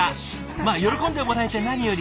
まあ喜んでもらえて何より。